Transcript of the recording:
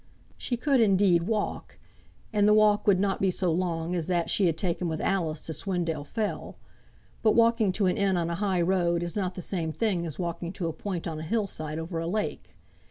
She could, indeed, walk, and the walk would not be so long as that she had taken with Alice to Swindale fell; but walking to an inn on a high road, is not the same thing as walking to a point on a hill side over a lake.